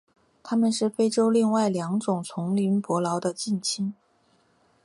它们是非洲另外两种丛林伯劳的近亲。